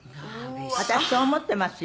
「私そう思っていますよ」